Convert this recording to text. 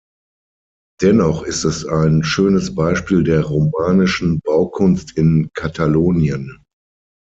Dennoch ist es ein schönes Beispiel der romanischen Baukunst in Katalonien.